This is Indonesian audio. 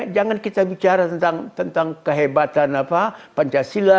jangan kita bicara tentang kehebatan pancasila